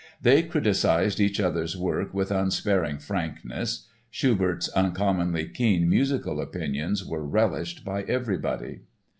They criticized each other's work with unsparing frankness. Schubert's uncommonly keen musical opinions were relished by everybody.